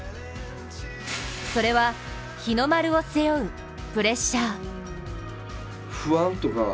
それは日の丸を背負うプレッシャー。